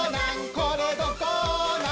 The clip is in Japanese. これどこなん？